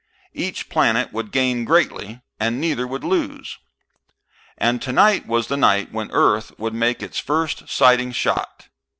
Each planet would gain greatly, and neither would lose. And tonight was the night when Earth would make its first sighting shot.